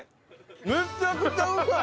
めっちゃくちゃうまい！